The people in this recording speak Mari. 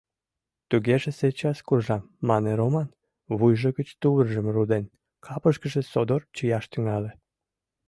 — Тугеже сейчас куржам! — мане Роман, вуйжо гыч тувыржым руден, капышкыже содор чияш тӱҥале.